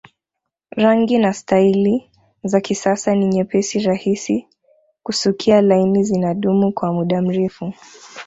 Rangi na staili za kisasa ni nyepesi rahisi kusukia laini zinadumu kwa muda mrefu